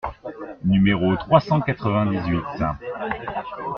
Numéro trois cent quatre-vingt-dix-huit.